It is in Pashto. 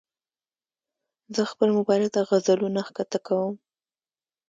زه خپل موبایل ته غزلونه ښکته کوم.